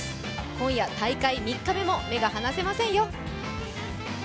今夜大会３日目も目が離せませんよ。